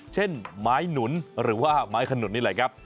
เช่นไม้หนุนหรือว่าไม้ขนุนนี่แหละครับ